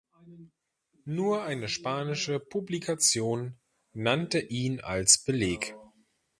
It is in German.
Nur eine spanische Publikation nannte ihn als Beleg.